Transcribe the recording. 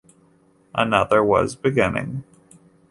Another was beginning.